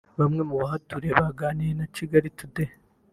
Bamwe mu bahaturiye baganiriye na Kigali Today